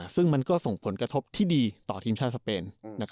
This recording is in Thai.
ซึ่งมันก็ส่งผลกระทบที่ดีต่อทีมชาติสเปน